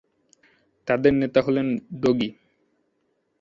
তাদের নেতা হলেন ডোগি।